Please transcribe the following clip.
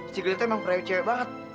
si glenn tuh emang pria cewek banget